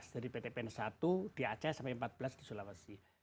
jadi pt pn satu di aceh sampai empat belas di sulawesi